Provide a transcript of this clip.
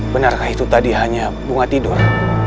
benarkah itu tadi hanya bunga tidur